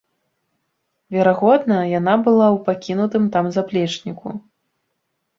Верагодна, яна была ў пакінутым там заплечніку.